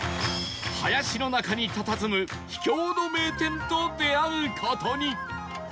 林の中にたたずむ秘境の名店と出会う事に